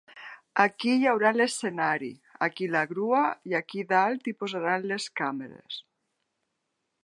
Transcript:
Aquí hi haurà l'escenari, aquí la grua i aquí dalt hi posaran les càmeres.